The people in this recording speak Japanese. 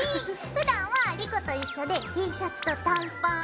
ふだんは莉子と一緒でＴシャツと短パン。